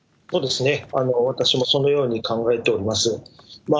私もそのように考えております。